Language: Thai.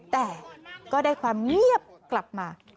แต่ก็ได้ความเงียบกลับมา